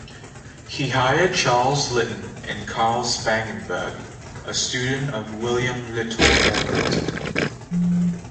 He hired Charles Litton and Karl Spangenberg, a student of William Littell Everitt.